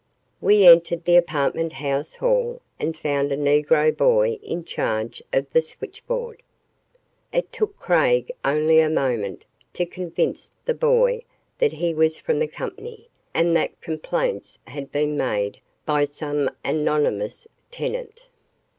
We entered the apartment house hall and found a Negro boy in charge of the switchboard. It took Craig only a moment to convince the boy that he was from the company and that complaints had been made by some anonymous tenant.